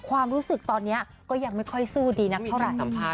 ความรู้สึกตอนนี้ก็ยังไม่ค่อยสู้ดีนักเท่าไหร่